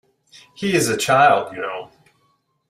He is a child, you know!